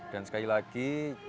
dan sekali lagi